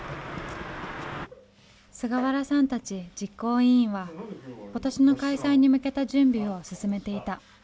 菅原さんたち実行委員は今年の開催に向けた準備を進めていた。